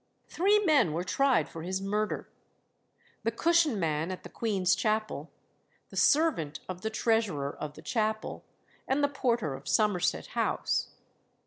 Three men were tried for his murder the cushion man at the Queen's Chapel, the servant of the treasurer of the chapel, and the porter of Somerset House.